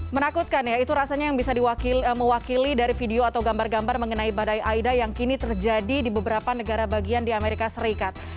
menakutkan ya itu rasanya yang bisa diwakili dari video atau gambar gambar mengenai badai aida yang kini terjadi di beberapa negara bagian di amerika serikat